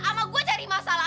sama gue cari masalah